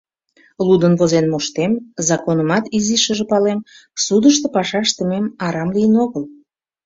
— Лудын-возен моштем, законымат изишыже палем — судышто паша ыштымем арам лийын огыл.